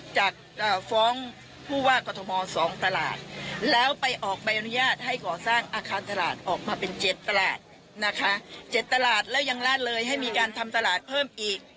จัดฟ้องผู้ว่ากรทม๒ตลาดแล้วไปออกใบอนุญาตให้ก่อสร้างอาคารตลาดออกมาเป็น๗ตลาดนะคะ๗ตลาดแล้วยังลาดเลยให้มีการทำตลาดเพิ่มอีก